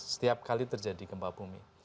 setiap kali terjadi gempa bumi